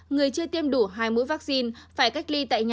người chưa tiêm đủ hai mũi vaccine phải cách ly tại nhà